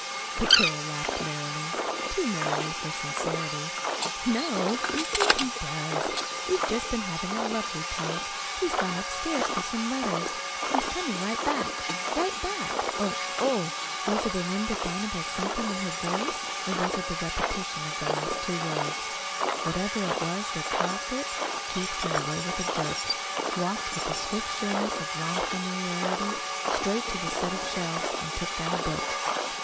The girl laughed merrily too merrily for sincerity. "Know? Indeed he does. We've just been having a lovely talk. He's gone upstairs for some letters. He's coming right back right back." "Oh h!" Was it an indefinable something in her voice, or was it the repetition of the last two words? Whatever it was that caused it, Keith turned away with a jerk, walked with the swift sureness of long familiarity straight to the set of shelves and took down a book.